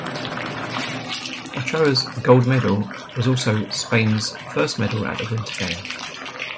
Ochoa's gold medal was also Spain's first medal at the Winter Games.